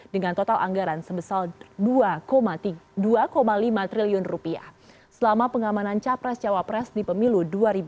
dengan total anggaran sebesar dua lima triliun selama pengamanan capres cawapres di pemilu dua ribu dua puluh